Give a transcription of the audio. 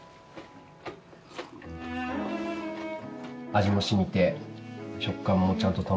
味も染みて食感もちゃんと保たれて。